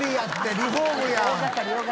リフォームやん！